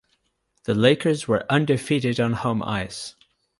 The Lakers were undefeated on home ice.